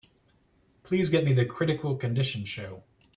Please get me the Critical Condition show.